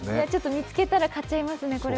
見つけたら買っちゃいますね。